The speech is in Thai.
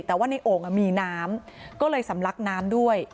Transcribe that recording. แต่ว่าในโอ่งมีน้ำก็เลยสำลักน้ำด้วย